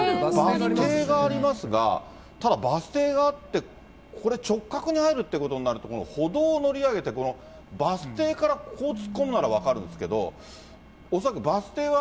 バス停がありますが、ただバス停があって、これ、直角に入るってことになると、この歩道を乗り上げて、このバス停からこう突っ込むなら分かるんですけど、恐らくバス停は。